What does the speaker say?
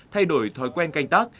thay đổi thói quen canh tác